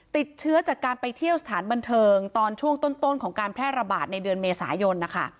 ติดเชื้อจากการไปเที่ยวสถานบันเทิงตอนช่วงต้นของการแพร่ระบาดในเดือนเมษายนนะคะ